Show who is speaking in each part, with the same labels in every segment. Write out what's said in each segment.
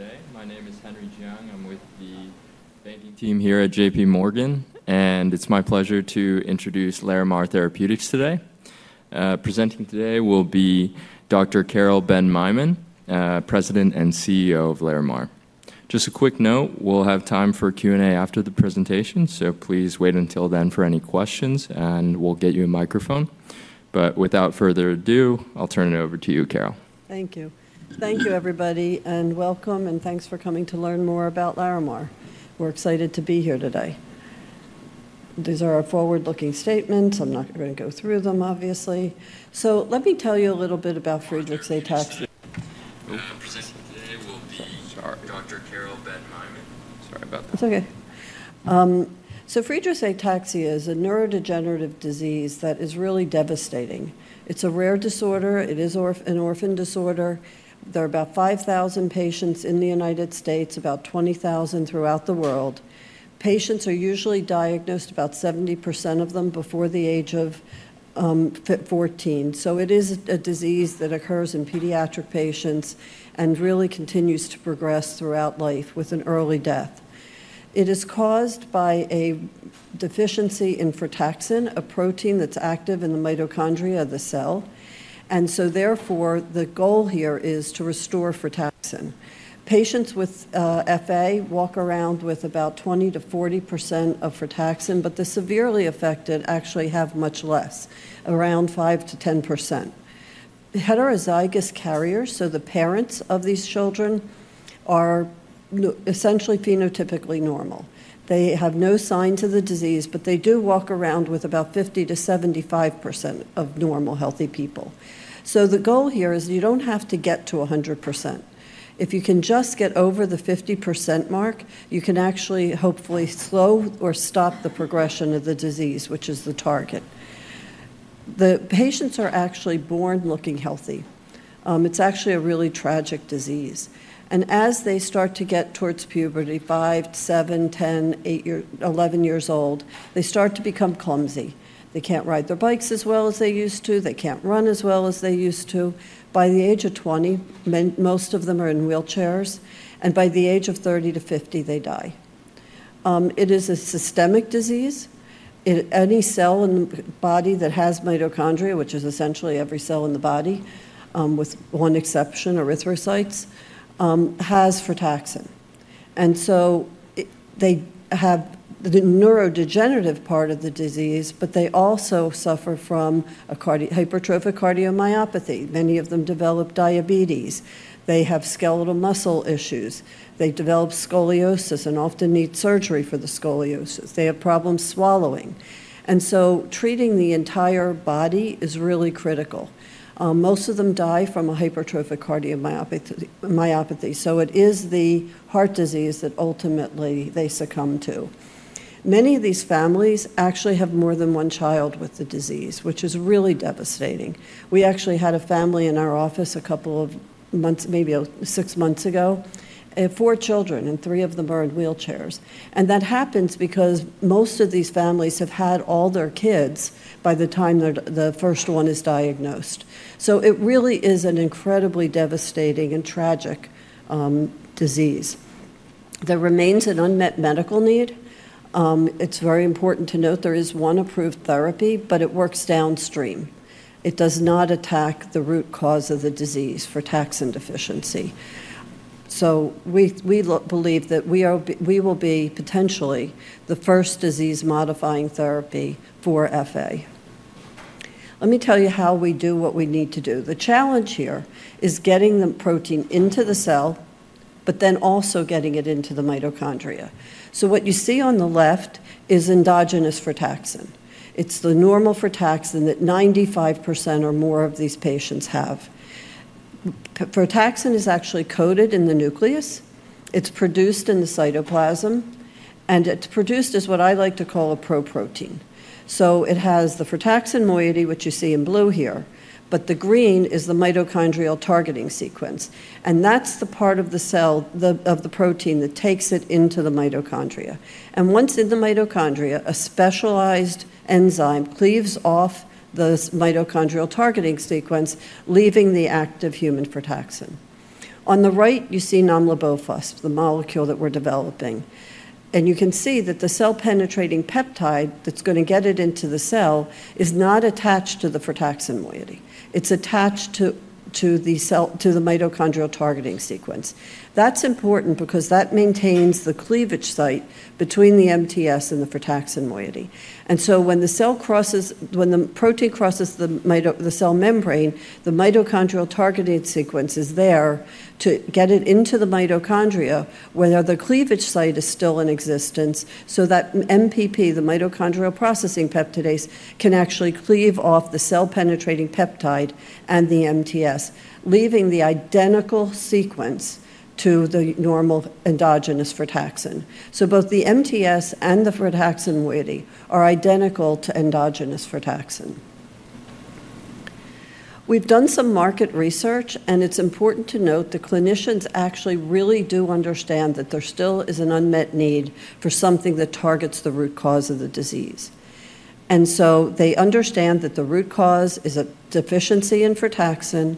Speaker 1: Today, my name is Henry Jiang. I'm with the banking team here at JPMorgan, and it's my pleasure to introduce Larimar Therapeutics today. Presenting today will be Dr. Carole Ben-Maimon, President and CEO of Larimar. Just a quick note: we'll have time for Q&A after the presentation, so please wait until then for any questions, and we'll get you a microphone. But without further ado, I'll turn it over to you, Carole.
Speaker 2: Thank you. Thank you, everybody, and welcome, and thanks for coming to learn more about Larimar. We're excited to be here today. These are our forward-looking statements. I'm not going to go through them, obviously. So let me tell you a little bit about Friedreich's ataxia.
Speaker 1: Presenting today will be Dr. Carole Ben-Maimon. Sorry about that.
Speaker 2: It's okay. So Friedreich's ataxia is a neurodegenerative disease that is really devastating. It's a rare disorder. It is an orphan disorder. There are about 5,000 patients in the United States, about 20,000 throughout the world. Patients are usually diagnosed, about 70% of them, before the age of 14. So it is a disease that occurs in pediatric patients and really continues to progress throughout life with an early death. It is caused by a deficiency in frataxin, a protein that's active in the mitochondria of the cell. And so, therefore, the goal here is to restore frataxin. Patients with FA walk around with about 20%-40% of frataxin, but the severely affected actually have much less, around 5%-10%. Heterozygous carriers, so the parents of these children, are essentially phenotypically normal. They have no signs of the disease, but they do walk around with about 50%-75% of normal, healthy people, so the goal here is you don't have to get to 100%. If you can just get over the 50% mark, you can actually, hopefully, slow or stop the progression of the disease, which is the target. The patients are actually born looking healthy. It's actually a really tragic disease, and as they start to get towards puberty, five, seven, 10, 11 years old, they start to become clumsy. They can't ride their bikes as well as they used to. They can't run as well as they used to. By the age of 20, most of them are in wheelchairs, and by the age of 30-50, they die. It is a systemic disease. Any cell in the body that has mitochondria, which is essentially every cell in the body, with one exception, erythrocytes, has frataxin. And so they have the neurodegenerative part of the disease, but they also suffer from a hypertrophic cardiomyopathy. Many of them develop diabetes. They have skeletal muscle issues. They develop scoliosis and often need surgery for the scoliosis. They have problems swallowing. And so treating the entire body is really critical. Most of them die from a hypertrophic cardiomyopathy. So it is the heart disease that ultimately they succumb to. Many of these families actually have more than one child with the disease, which is really devastating. We actually had a family in our office a couple of months, maybe six months ago, four children, and three of them are in wheelchairs. That happens because most of these families have had all their kids by the time the first one is diagnosed. It really is an incredibly devastating and tragic disease. There remains an unmet medical need. It's very important to note there is one approved therapy, but it works downstream. It does not attack the root cause of the disease, frataxin deficiency. We believe that we will be potentially the first disease-modifying therapy for FA. Let me tell you how we do what we need to do. The challenge here is getting the protein into the cell, but then also getting it into the mitochondria. What you see on the left is endogenous frataxin. It's the normal frataxin that 95% or more of these patients have. Frataxin is actually coded in the nucleus. It's produced in the cytoplasm, and it's produced as what I like to call a pro-protein. So it has the frataxin moiety, which you see in blue here, but the green is the mitochondrial targeting sequence. And that's the part of the cell, of the protein that takes it into the mitochondria. And once in the mitochondria, a specialized enzyme cleaves off the mitochondrial targeting sequence, leaving the active human frataxin. On the right, you see nomlabofusp, the molecule that we're developing. And you can see that the cell-penetrating peptide that's going to get it into the cell is not attached to the frataxin moiety. It's attached to the mitochondrial targeting sequence. That's important because that maintains the cleavage site between the MTS and the frataxin moiety. And so when the protein crosses the cell membrane, the mitochondrial targeting sequence is there to get it into the mitochondria, where the cleavage site is still in existence, so that MPP, the mitochondrial processing peptidase, can actually cleave off the cell-penetrating peptide and the MTS, leaving the identical sequence to the normal endogenous frataxin. So both the MTS and the frataxin moiety are identical to endogenous frataxin. We've done some market research, and it's important to note the clinicians actually really do understand that there still is an unmet need for something that targets the root cause of the disease. And so they understand that the root cause is a deficiency in frataxin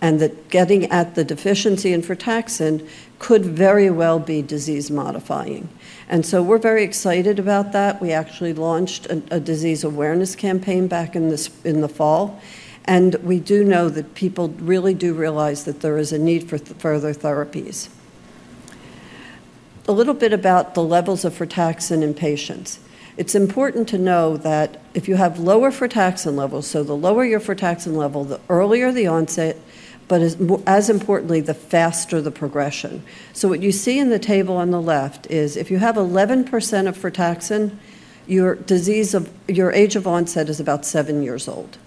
Speaker 2: and that getting at the deficiency in frataxin could very well be disease-modifying. And so we're very excited about that. We actually launched a disease awareness campaign back in the fall, and we do know that people really do realize that there is a need for further therapies. A little bit about the levels of frataxin in patients. It's important to know that if you have lower frataxin levels, so the lower your frataxin level, the earlier the onset, but as importantly, the faster the progression. So what you see in the table on the left is if you have 11% of frataxin, your age of onset is about seven years old,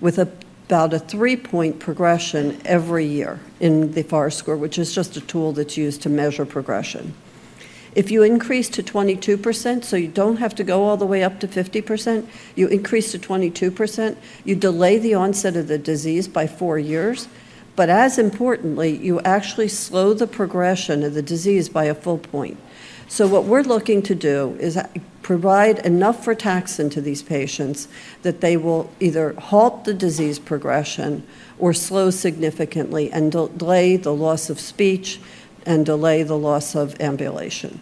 Speaker 2: with about a three-point progression every year in the mFARS score, which is just a tool that's used to measure progression. If you increase to 22%, so you don't have to go all the way up to 50%, you increase to 22%, you delay the onset of the disease by four years, but as importantly, you actually slow the progression of the disease by a full point. So what we're looking to do is provide enough frataxin to these patients that they will either halt the disease progression or slow significantly and delay the loss of speech and delay the loss of ambulation.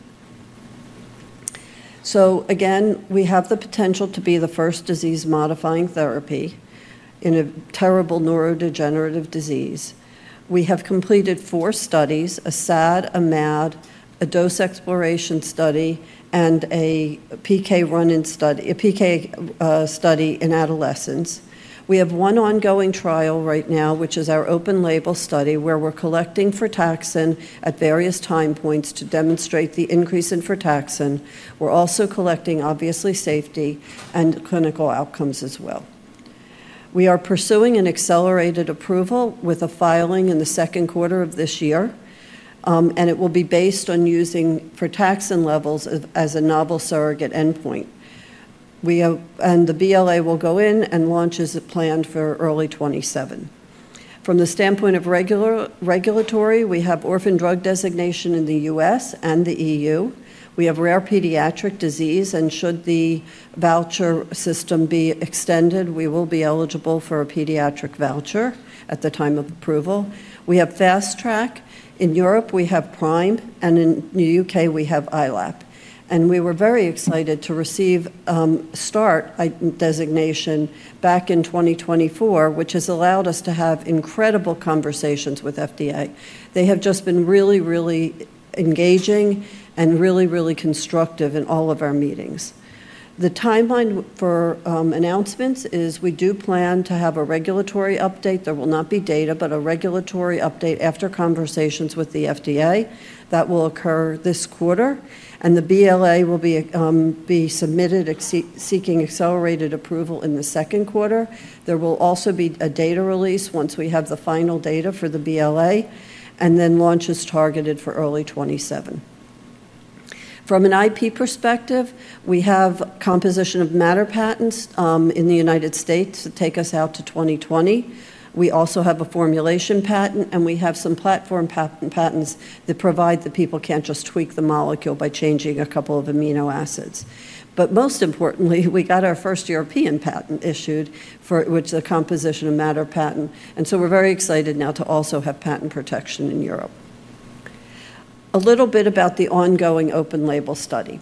Speaker 2: So again, we have the potential to be the first disease-modifying therapy in a terrible neurodegenerative disease. We have completed four studies: a SAD, a MAD, a dose exploration study, and a PK run-in study, a PK study in adolescents. We have one ongoing trial right now, which is our open-label study where we're collecting frataxin at various time points to demonstrate the increase in frataxin. We're also collecting, obviously, safety and clinical outcomes as well. We are pursuing an accelerated approval with a filing in the second quarter of this year, and it will be based on using frataxin levels as a novel surrogate endpoint, and the BLA will go in and launch as planned for early 2027. From the standpoint of regulatory, we have orphan drug designation in the U.S. and the E.U. We have rare pediatric disease, and should the voucher system be extended, we will be eligible for a pediatric voucher at the time of approval. We have Fast Track. In Europe, we have PRIME, and in the U.K., we have ILAP, and we were very excited to receive START designation back in 2024, which has allowed us to have incredible conversations with FDA. They have just been really, really engaging and really, really constructive in all of our meetings. The timeline for announcements is we do plan to have a regulatory update. There will not be data, but a regulatory update after conversations with the FDA that will occur this quarter. The BLA will be submitted, seeking accelerated approval in the second quarter. There will also be a data release once we have the final data for the BLA, and then launch is targeted for early 2027. From an IP perspective, we have composition of matter patents in the United States to take us out to 2020. We also have a formulation patent, and we have some platform patents that provide that people can't just tweak the molecule by changing a couple of amino acids. Most importantly, we got our first European patent issued, which is a composition of matter patent. So we're very excited now to also have patent protection in Europe. A little bit about the ongoing open-label study.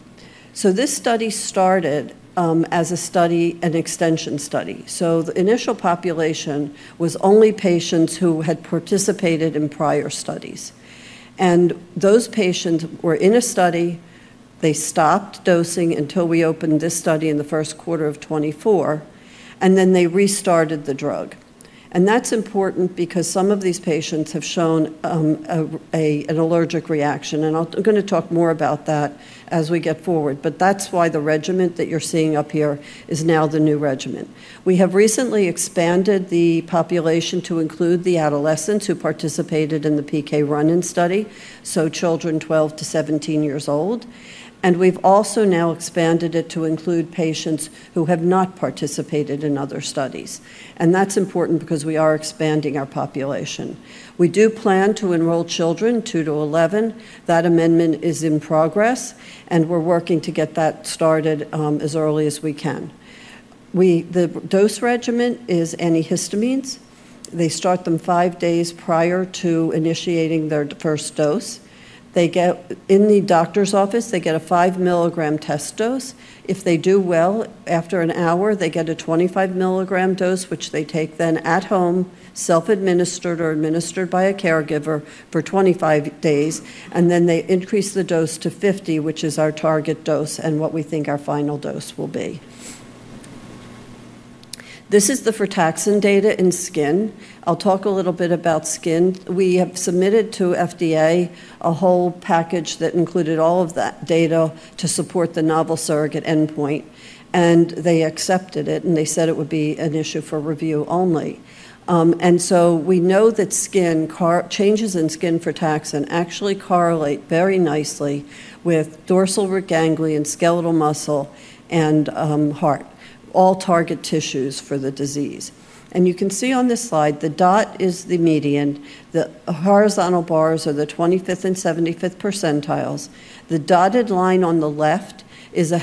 Speaker 2: So this study started as an extension study. So the initial population was only patients who had participated in prior studies. And those patients were in a study. They stopped dosing until we opened this study in the first quarter of 2024, and then they restarted the drug. And that's important because some of these patients have shown an allergic reaction. And I'm going to talk more about that as we get forward, but that's why the regimen that you're seeing up here is now the new regimen. We have recently expanded the population to include the adolescents who participated in the PK run-in study, so children 12-17 years old. And we've also now expanded it to include patients who have not participated in other studies. And that's important because we are expanding our population. We do plan to enroll children 2-11. That amendment is in progress, and we're working to get that started as early as we can. The dose regimen is antihistamines. They start them five days prior to initiating their first dose. In the doctor's office, they get a 5 mg test dose. If they do well, after an hour, they get a 25 mg dose, which they take then at home, self-administered or administered by a caregiver for 25 days, and then they increase the dose to 50, which is our target dose and what we think our final dose will be. This is the frataxin data in skin. I'll talk a little bit about skin. We have submitted to FDA a whole package that included all of that data to support the novel surrogate endpoint, and they accepted it, and they said it would be an issue for review only. And so we know that skin changes in skin frataxin actually correlate very nicely with dorsal root ganglion, skeletal muscle, and heart, all target tissues for the disease. And you can see on this slide, the dot is the median. The horizontal bars are the 25th and 75th percentiles. The dotted line on the left is where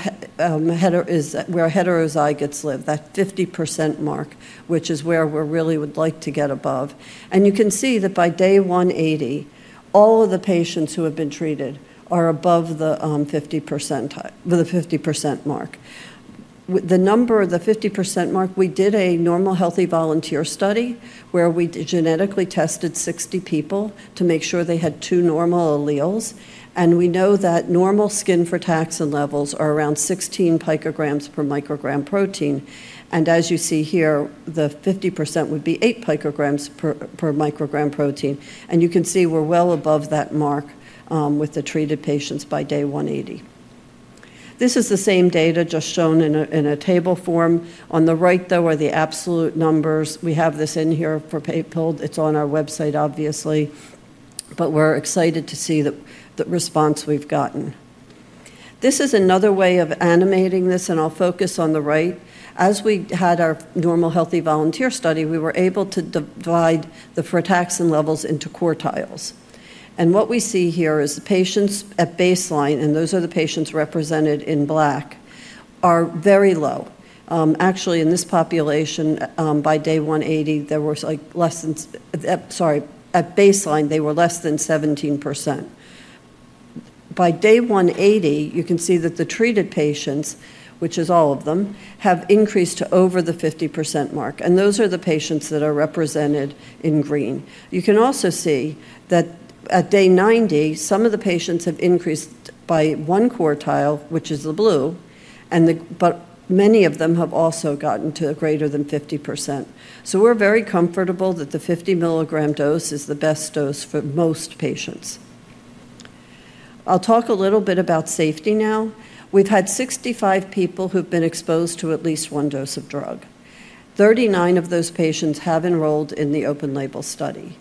Speaker 2: heterozygotes live, that 50% mark, which is where we really would like to get above. And you can see that by day 180, all of the patients who have been treated are above the 50% mark. The number, the 50% mark, we did a normal healthy volunteer study where we genetically tested 60 people to make sure they had two normal alleles. And we know that normal skin frataxin levels are around 16 picograms per microgram protein. And as you see here, the 50% would be 8 picograms per microgram protein. You can see we're well above that mark with the treated patients by day 180. This is the same data just shown in a table form. On the right, though, are the absolute numbers. We have this in here for paper. It's on our website, obviously, but we're excited to see the response we've gotten. This is another way of animating this, and I'll focus on the right. As we had our normal healthy volunteer study, we were able to divide the frataxin levels into quartiles. What we see here is patients at baseline, and those are the patients represented in black, are very low. Actually, in this population, at baseline, they were less than 17%. By day 180, you can see that the treated patients, which is all of them, have increased to over the 50% mark. And those are the patients that are represented in green. You can also see that at day 90, some of the patients have increased by one quartile, which is the blue, but many of them have also gotten to greater than 50%. So we're very comfortable that the 50 mg dose is the best dose for most patients. I'll talk a little bit about safety now. We've had 65 people who've been exposed to at least one dose of drug. 39 of those patients have enrolled in the open-label study.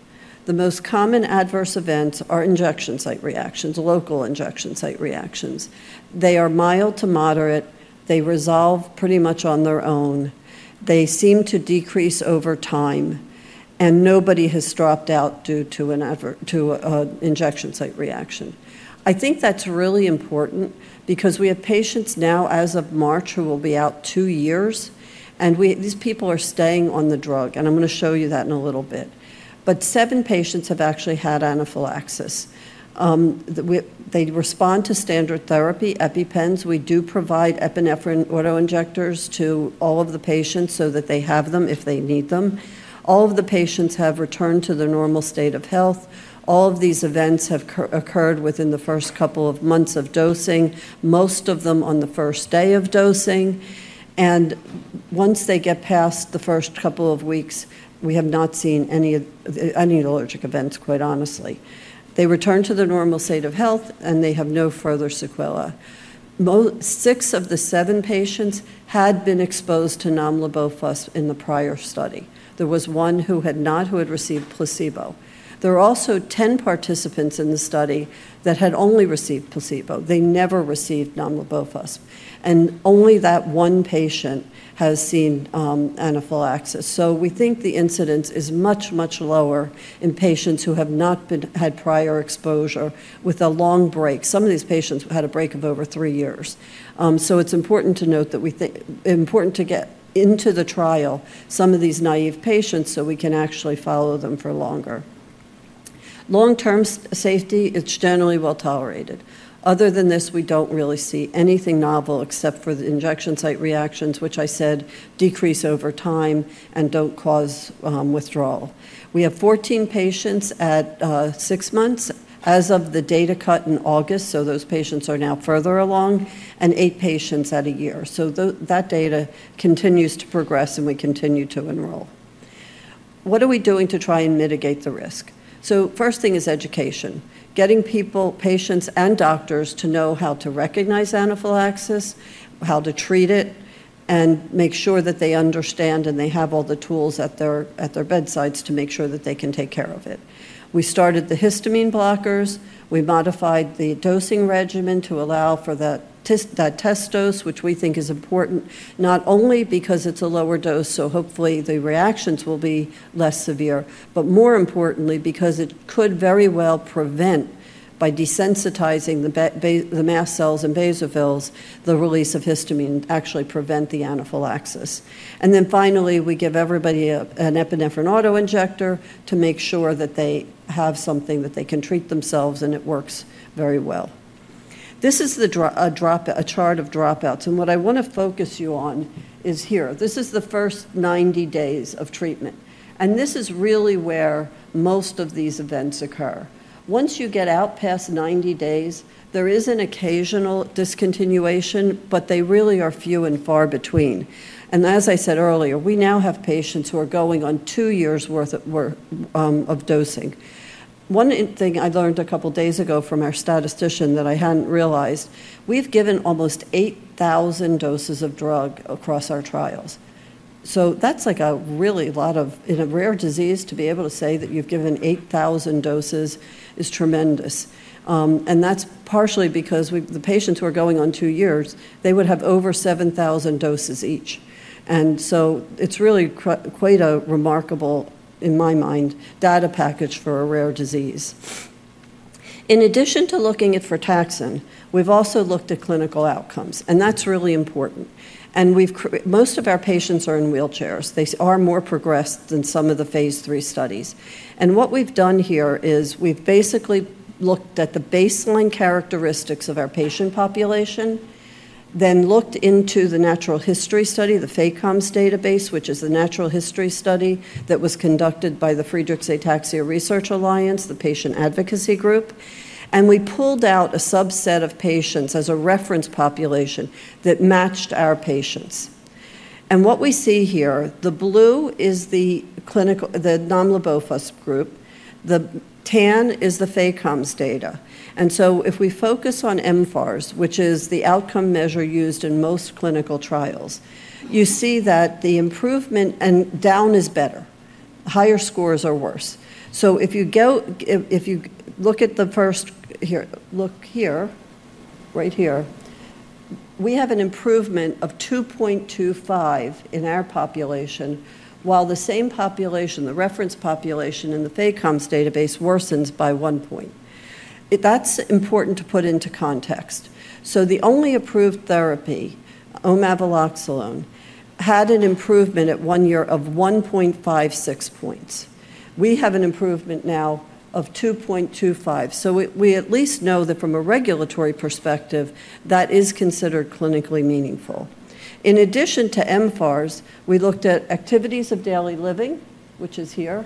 Speaker 2: The most common adverse events are injection site reactions, local injection site reactions. They are mild to moderate. They resolve pretty much on their own. They seem to decrease over time, and nobody has dropped out due to an injection site reaction. I think that's really important because we have patients now, as of March, who will be out two years, and these people are staying on the drug, and I'm going to show you that in a little bit. But seven patients have actually had anaphylaxis. They respond to standard therapy, EpiPens. We do provide epinephrine autoinjectors to all of the patients so that they have them if they need them. All of the patients have returned to their normal state of health. All of these events have occurred within the first couple of months of dosing, most of them on the first day of dosing. And once they get past the first couple of weeks, we have not seen any allergic events, quite honestly. They return to their normal state of health, and they have no further sequelae. Six of the seven patients had been exposed to nomlabofusp in the prior study. There was one who had not, who had received placebo. There were also 10 participants in the study that had only received placebo. They never received nomlabofusp. And only that one patient has seen anaphylaxis. So we think the incidence is much, much lower in patients who have not had prior exposure with a long break. Some of these patients had a break of over three years. So it's important to note that we think it's important to get into the trial, some of these naive patients, so we can actually follow them for longer. Long-term safety, it's generally well tolerated. Other than this, we don't really see anything novel except for the injection site reactions, which I said decrease over time and don't cause withdrawal. We have 14 patients at six months as of the data cut in August, so those patients are now further along, and eight patients at a year. So that data continues to progress, and we continue to enroll. What are we doing to try and mitigate the risk? So first thing is education, getting people, patients, and doctors to know how to recognize anaphylaxis, how to treat it, and make sure that they understand and they have all the tools at their bedsides to make sure that they can take care of it. We started the histamine blockers. We modified the dosing regimen to allow for that test dose, which we think is important, not only because it's a lower dose, so hopefully the reactions will be less severe, but more importantly because it could very well prevent, by desensitizing the mast cells and basophils, the release of histamine, actually prevent the anaphylaxis, and then finally, we give everybody an epinephrine autoinjector to make sure that they have something that they can treat themselves, and it works very well. This is a chart of dropouts, and what I want to focus you on is here, this is the first 90 days of treatment, and this is really where most of these events occur. Once you get out past 90 days, there is an occasional discontinuation, but they really are few and far between. And as I said earlier, we now have patients who are going on two years' worth of dosing. One thing I learned a couple of days ago from our statistician that I hadn't realized, we've given almost 8,000 doses of drug across our trials. So that's like a really lot of, in a rare disease, to be able to say that you've given 8,000 doses is tremendous. And that's partially because the patients who are going on two years, they would have over 7,000 doses each. And so it's really quite a remarkable, in my mind, data package for a rare disease. In addition to looking at frataxin, we've also looked at clinical outcomes, and that's really important. And most of our patients are in wheelchairs. They are more progressed than some of the phase III studies. What we've done here is we've basically looked at the baseline characteristics of our patient population, then looked into the natural history study, the FACOMS database, which is a natural history study that was conducted by the Friedreich's Ataxia Research Alliance, the patient advocacy group. We pulled out a subset of patients as a reference population that matched our patients. What we see here, the blue is the nomlabofusp group. The tan is the FACOMS data. So if we focus on mFARS, which is the outcome measure used in most clinical trials, you see that the improvement, and down is better. Higher scores are worse. If you look at the first, here, look here, right here, we have an improvement of 2.25 in our population, while the same population, the reference population in the FACOMS database, worsens by one point. That's important to put into context. So the only approved therapy, omaviloxolone, had an improvement at one year of 1.56 points. We have an improvement now of 2.25. So we at least know that from a regulatory perspective, that is considered clinically meaningful. In addition to mFARS, we looked at activities of daily living, which is here,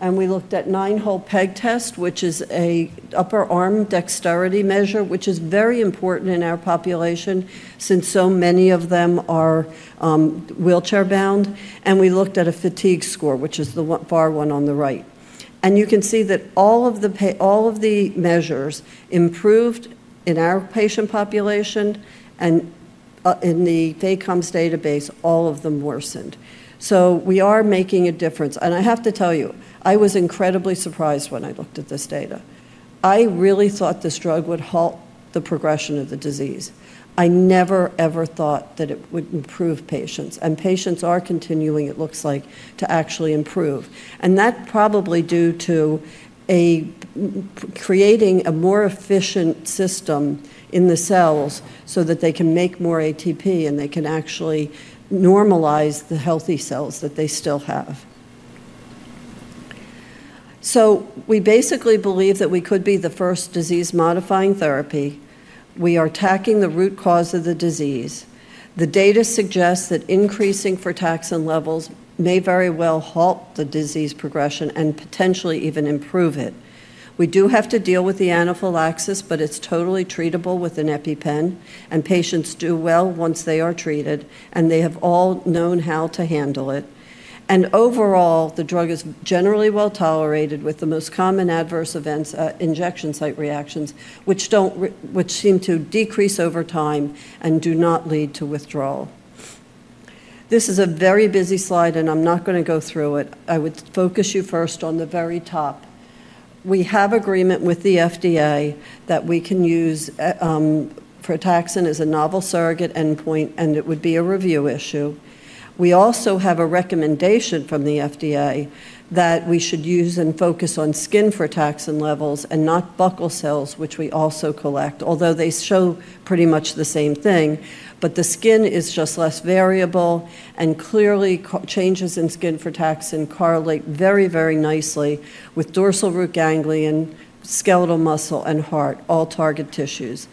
Speaker 2: and we looked at nine-hole peg test, which is an upper arm dexterity measure, which is very important in our population since so many of them are wheelchair-bound. And we looked at a fatigue score, which is the far one on the right. And you can see that all of the measures improved in our patient population, and in the FACOMS database, all of them worsened. So we are making a difference. And I have to tell you, I was incredibly surprised when I looked at this data. I really thought this drug would halt the progression of the disease. I never, ever thought that it would improve patients, and patients are continuing, it looks like, to actually improve, and that's probably due to creating a more efficient system in the cells so that they can make more ATP and they can actually normalize the healthy cells that they still have, so we basically believe that we could be the first disease-modifying therapy. We are tackling the root cause of the disease. The data suggests that increasing frataxin levels may very well halt the disease progression and potentially even improve it. We do have to deal with the anaphylaxis, but it's totally treatable with an EpiPen, and patients do well once they are treated, and they have all known how to handle it. And overall, the drug is generally well tolerated with the most common adverse events, injection site reactions, which seem to decrease over time and do not lead to withdrawal. This is a very busy slide, and I'm not going to go through it. I would focus you first on the very top. We have agreement with the FDA that we can use frataxin as a novel surrogate endpoint, and it would be a review issue. We also have a recommendation from the FDA that we should use and focus on skin frataxin levels and not buccal cells, which we also collect, although they show pretty much the same thing. But the skin is just less variable, and clearly changes in skin frataxin correlate very, very nicely with dorsal root ganglion, skeletal muscle, and heart, all target tissues.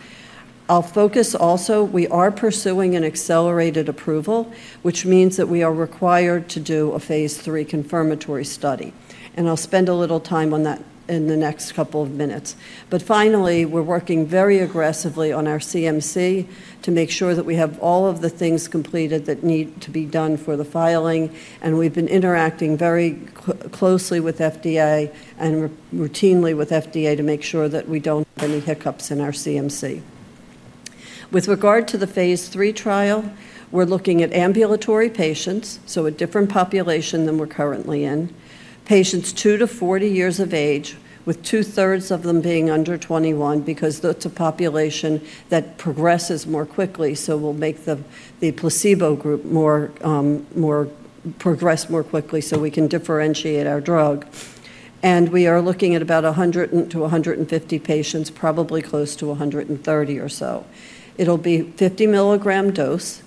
Speaker 2: I'll focus also, we are pursuing an accelerated approval, which means that we are required to do a phase III confirmatory study, and I'll spend a little time on that in the next couple of minutes, but finally, we're working very aggressively on our CMC to make sure that we have all of the things completed that need to be done for the filing, and we've been interacting very closely with FDA and routinely with FDA to make sure that we don't have any hiccups in our CMC. With regard to the phase III trial, we're looking at ambulatory patients, so a different population than we're currently in, patients 2-40 years of age, with two-thirds of them being under 21 because that's a population that progresses more quickly, so we'll make the placebo group progress more quickly so we can differentiate our drug. We are looking at about 100-150 patients, probably close to 130 or so. It'll be a 50 mg dose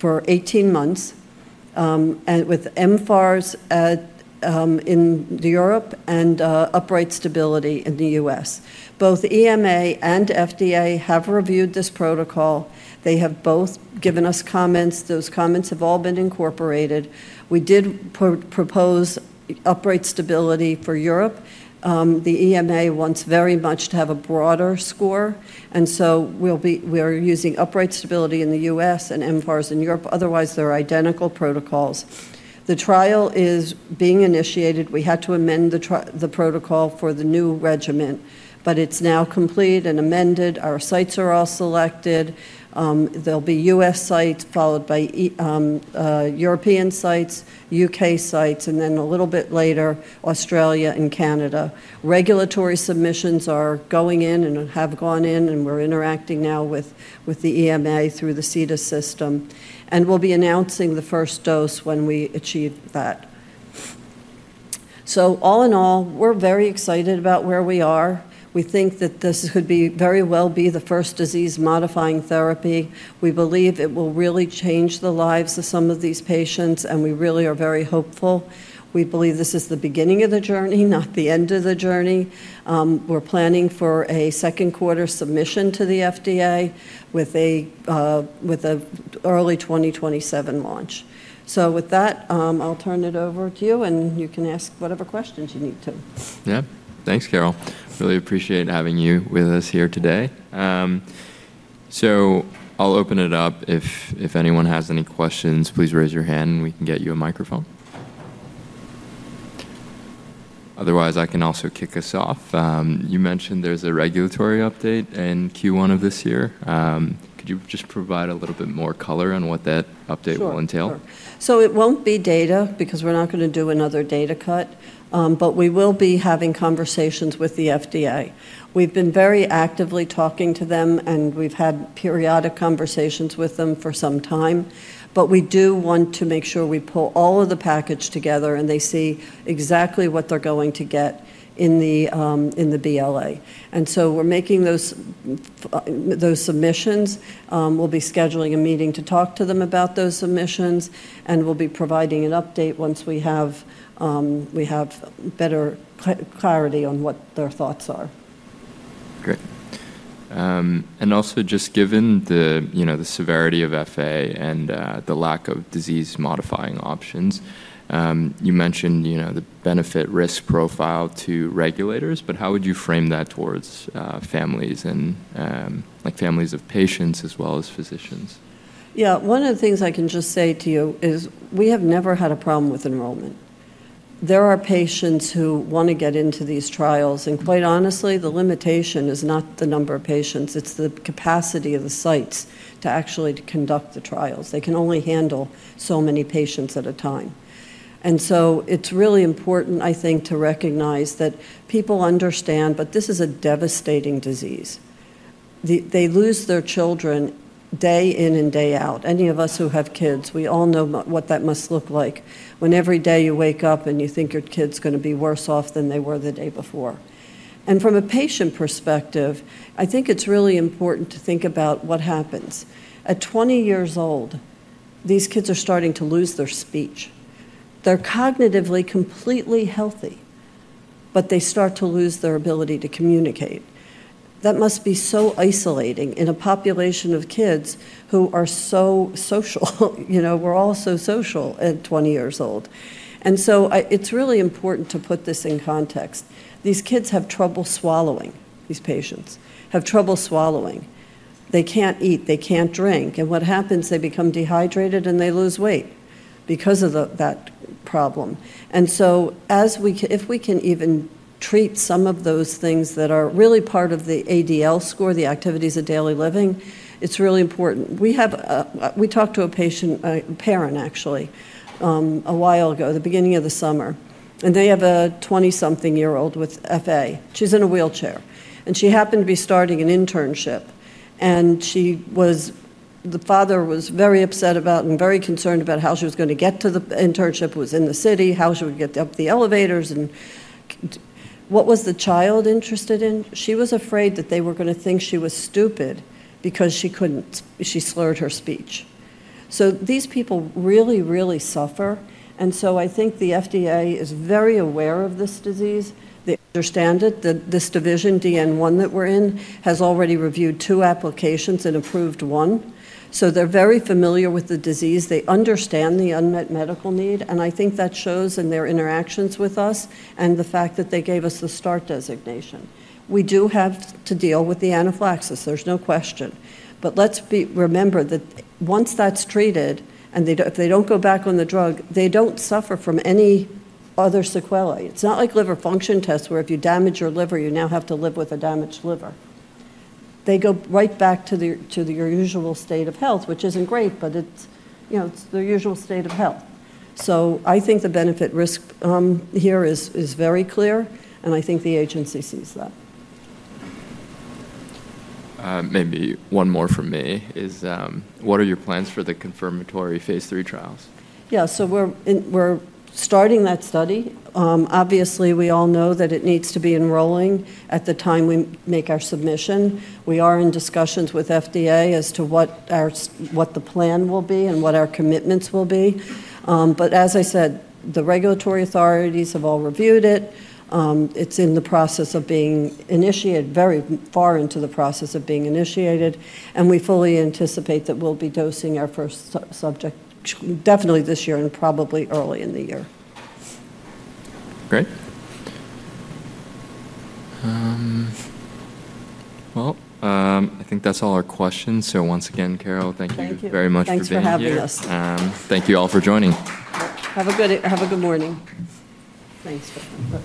Speaker 2: for 18 months with mFARS in Europe and upright stability in the U.S. Both EMA and FDA have reviewed this protocol. They have both given us comments. Those comments have all been incorporated. We did propose upright stability for Europe. The EMA wants very much to have a broader score. So we're using upright stability in the U.S. and mFARS in Europe. Otherwise, they're identical protocols. The trial is being initiated. We had to amend the protocol for the new regimen, but it's now complete and amended. Our sites are all selected. There'll be U.S. sites followed by European sites, U.K. sites, and then a little bit later, Australia and Canada. Regulatory submissions are going in and have gone in, and we're interacting now with the EMA through the CTIS system. And we'll be announcing the first dose when we achieve that. So all in all, we're very excited about where we are. We think that this could very well be the first disease-modifying therapy. We believe it will really change the lives of some of these patients, and we really are very hopeful. We believe this is the beginning of the journey, not the end of the journey. We're planning for a second quarter submission to the FDA with an early 2027 launch. So with that, I'll turn it over to you, and you can ask whatever questions you need to.
Speaker 1: Yeah. Thanks, Carole. Really appreciate having you with us here today. So I'll open it up. If anyone has any questions, please raise your hand, and we can get you a microphone. Otherwise, I can also kick us off. You mentioned there's a regulatory update in Q1 of this year. Could you just provide a little bit more color on what that update will entail?
Speaker 2: Sure, so it won't be data because we're not going to do another data cut, but we will be having conversations with the FDA. We've been very actively talking to them, and we've had periodic conversations with them for some time, but we do want to make sure we pull all of the package together, and they see exactly what they're going to get in the BLA, and so we're making those submissions. We'll be scheduling a meeting to talk to them about those submissions, and we'll be providing an update once we have better clarity on what their thoughts are.
Speaker 1: Great. And also, just given the severity of FA and the lack of disease-modifying options, you mentioned the benefit-risk profile to regulators, but how would you frame that towards families and families of patients as well as physicians?
Speaker 2: Yeah. One of the things I can just say to you is we have never had a problem with enrollment. There are patients who want to get into these trials, and quite honestly, the limitation is not the number of patients. It's the capacity of the sites to actually conduct the trials. They can only handle so many patients at a time. And so it's really important, I think, to recognize that people understand, but this is a devastating disease. They lose their children day in and day out. Any of us who have kids, we all know what that must look like when every day you wake up and you think your kid's going to be worse off than they were the day before. And from a patient perspective, I think it's really important to think about what happens. At 20 years old, these kids are starting to lose their speech. They're cognitively completely healthy, but they start to lose their ability to communicate. That must be so isolating in a population of kids who are so social. We're all so social at 20 years old. And so it's really important to put this in context. These kids have trouble swallowing. These patients have trouble swallowing. They can't eat. They can't drink. And what happens? They become dehydrated, and they lose weight because of that problem. And so if we can even treat some of those things that are really part of the ADL score, the activities of daily living, it's really important. We talked to a patient, a parent, actually, a while ago, the beginning of the summer, and they have a 20-something-year-old with FA. She's in a wheelchair, and she happened to be starting an internship, and the father was very upset about and very concerned about how she was going to get to the internship. It was in the city, how she would get up the elevators. And what was the child interested in? She was afraid that they were going to think she was stupid because she slurred her speech. So these people really, really suffer. And so I think the FDA is very aware of this disease. They understand it. This division, DN1 that we're in, has already reviewed two applications and approved one. So they're very familiar with the disease. They understand the unmet medical need, and I think that shows in their interactions with us and the fact that they gave us the START designation. We do have to deal with the anaphylaxis. There's no question. But let's remember that once that's treated and if they don't go back on the drug, they don't suffer from any other sequelae. It's not like liver function tests where if you damage your liver, you now have to live with a damaged liver. They go right back to your usual state of health, which isn't great, but it's their usual state of health. So I think the benefit-risk here is very clear, and I think the agency sees that.
Speaker 1: Maybe one more from me is, what are your plans for the confirmatory phase III trials?
Speaker 2: Yeah, so we're starting that study. Obviously, we all know that it needs to be enrolling at the time we make our submission. We are in discussions with FDA as to what the plan will be and what our commitments will be. But as I said, the regulatory authorities have all reviewed it. It's in the process of being initiated, very far into the process of being initiated, and we fully anticipate that we'll be dosing our first subject definitely this year and probably early in the year.
Speaker 1: Great. I think that's all our questions. Once again, Carole, thank you very much for being here.
Speaker 2: Thank you for having us.
Speaker 1: Thank you all for joining.
Speaker 2: Have a good morning.
Speaker 1: Thanks.